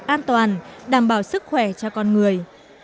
an toàn đảm bảo sức khỏe cho con người